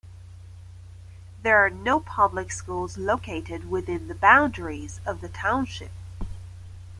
There are no public schools located within the boundaries of the township.